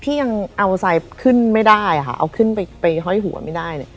พี่ยังเอาไซค์ขึ้นไม่ได้ค่ะเอาขึ้นไปห้อยหัวไม่ได้